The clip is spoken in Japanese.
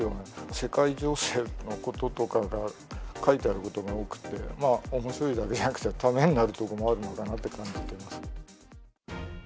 世界情勢のこととかが書いてあることが多くて、おもしろいだけじゃなく、ためになるところもあるのかなって感じてます。